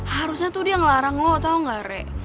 harusnya tuh dia ngelarang lo tau gak rek